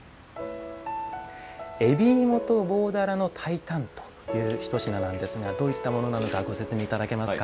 「えびいもと棒だらの炊いたん」というひと品なんですがどういったものかご説明いただけますか。